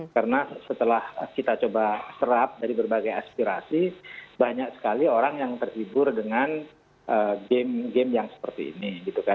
karena setelah kita coba serap dari berbagai aspirasi banyak sekali orang yang terhibur dengan game game yang seperti ini